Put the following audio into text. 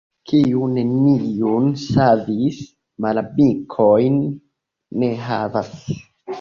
Kiu neniun savis, malamikojn ne havas.